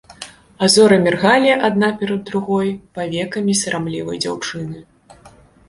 А зоры міргалі адна перад другой павекамі сарамлівай дзяўчыны.